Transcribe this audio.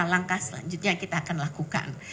langkah selanjutnya kita akan lakukan